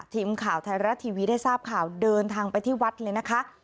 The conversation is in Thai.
ทีมข่าวไทยรัฐทีวีได้ทราบข่าวเดินทางไปที่วัดเลยนะคะ